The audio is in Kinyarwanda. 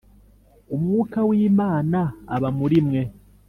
Umwuka w Imana aba muri mwe